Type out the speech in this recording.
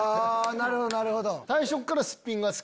なるほどなるほど。